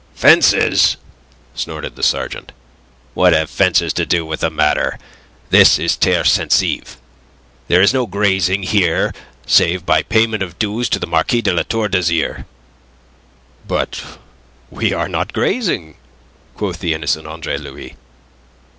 "Fences!" snorted the sergeant. "What have fences to do with the matter? This is terre censive. There is no grazing here save by payment of dues to the Marquis de La Tour d'Azyr." "But we are not grazing," quoth the innocent Andre Louis.